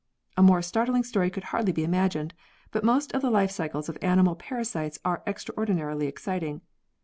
A more startling story could hardly be imagined, but most of the life cycles of animal parasites are extra ordinarily exciting.